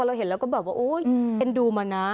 เราเห็นแล้วก็แบบว่าโอ๊ยเอ็นดูมานะ